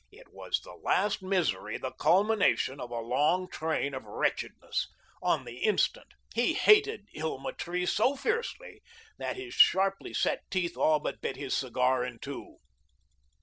It was the last misery, the culmination of a long train of wretchedness. On the instant he hated Hilma Tree so fiercely that his sharply set teeth all but bit his cigar in two.